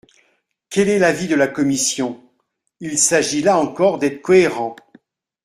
Quel est l’avis de la commission ? Il s’agit là encore d’être cohérent.